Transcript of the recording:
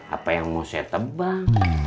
apa yang mau saya tebang